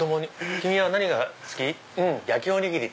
「君は何が好き？」「焼きおにぎり」って。